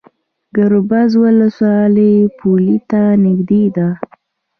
ګربز ولسوالۍ پولې ته نږدې ده؟